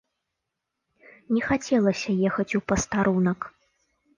Не хацелася ехаць у пастарунак.